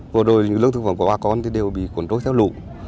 vừa rồi những lưỡng thực phẩm của bà con thì đều bị cuốn trôi theo lũ